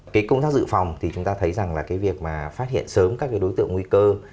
cái công tác dự phòng thì chúng ta thấy rằng là cái việc mà phát hiện sớm các cái đối tượng nguy cơ